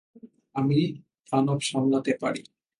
আমি দানব সামলাতে পারি।